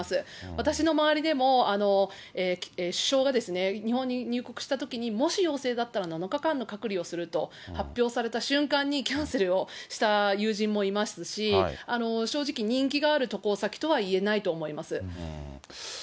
私の周りでも、首相が、日本に入国したときにもし陽性だったら、７日間の隔離をすると発表された瞬間にキャンセルをした友人もいますし、正直、人気がある渡航先とは言えないと思います。